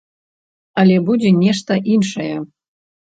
Але будзе нешта іншае.